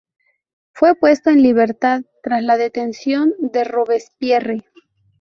Fue puesto en libertad tras la detención de Robespierre.